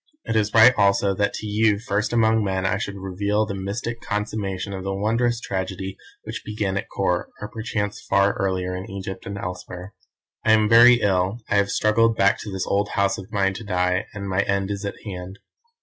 It is right also that to you first among men I should reveal the mystic consummation of the wondrous tragedy which began at Kôr, or perchance far earlier in Egypt and elsewhere. "I am very ill; I have struggled back to this old house of mine to die, and my end is at hand.